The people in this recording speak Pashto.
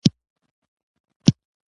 د دعا ږغونه تر عرشه رسېږي.